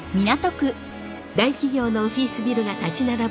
大企業のオフィスビルが立ち並ぶ